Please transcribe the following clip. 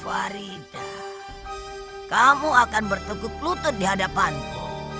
farida kamu akan bertukuk lutut di hadapanmu